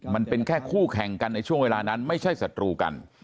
มันเป็นแค่คู่แข่งกันในช่วงเวลานั้นไม่ใช่ศัตรูกัน